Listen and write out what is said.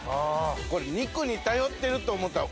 これ肉に頼ってると思ったら大間違い。